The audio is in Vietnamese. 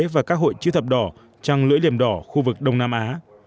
và các hội chữ thập đỏ trăng lưỡi liềm đỏ khu vực đông nam á